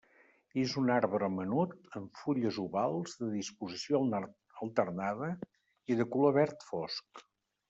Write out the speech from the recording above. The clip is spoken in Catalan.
És un arbre menut, amb fulles ovals, de disposició alternada i de color verd fosc.